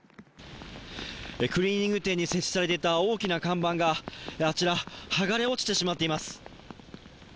クリーニング店に設置されていた大きな看板があちら、剥がれ落ちてしまっています。